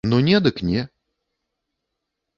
Ну не дык не.